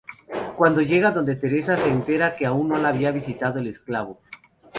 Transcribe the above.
Cuando llega donde Teresa se entera que aún no la había visitado el Esclavo.